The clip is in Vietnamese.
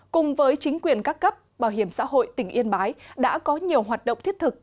cùng với chính quyền các cấp bảo hiểm xã hội tỉnh yên bái đã có nhiều hoạt động thiết thực